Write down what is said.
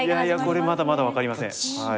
これまだまだ分かりません。